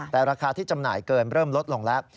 แต่ราคาที่จำหน่ายเกินเริ่มลดลงแล้ว